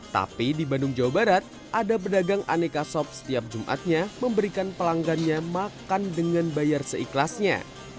tapi di bandung jawa barat ada pedagang aneka sop setiap jumatnya memberikan pelanggannya makan dengan bayar seikhlasnya